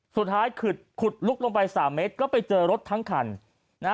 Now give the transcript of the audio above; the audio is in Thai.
สุดท้ายขุดลุกลงไป๓เมตรก็ไปเจอรถทั้งคัน